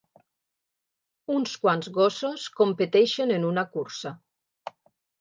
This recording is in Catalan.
Uns quants gossos competeixen en una cursa.